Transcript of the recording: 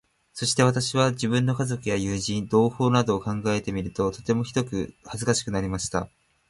そして私は、自分の家族や友人、同胞などを考えてみると、とてもひどく恥かしくなりました。